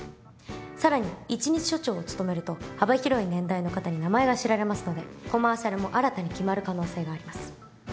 更に１日署長を務めると幅広い年代の方に名前が知られますのでコマーシャルも新たに決まる可能性があります。